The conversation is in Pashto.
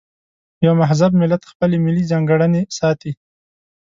یو مهذب ملت خپلې ملي ځانګړنې ساتي.